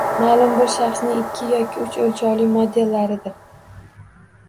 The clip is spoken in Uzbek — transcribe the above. Maʼlum bir shaxsning ikki yoki uch oʻlchovli modellaridir